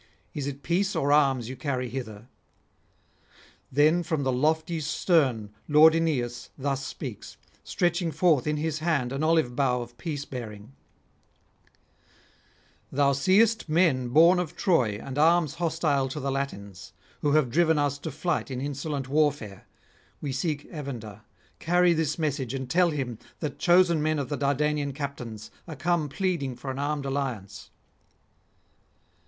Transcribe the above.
Is it peace or arms you carry hither?' Then from the lofty stern lord Aeneas thus speaks, stretching forth in his hand an olive bough of peace bearing: 'Thou seest men born of Troy and arms hostile to the Latins, who have driven us to flight in insolent warfare. We seek Evander; carry this message, and tell him that chosen men of the Dardanian captains are come pleading for an armed alliance.'